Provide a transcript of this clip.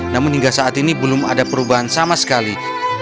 namun hingga saat ini belum ada perubahan sama sekali